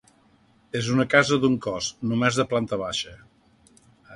És una casa d'un cos, només de planta baixa.